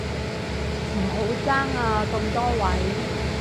唔好爭啊咁多位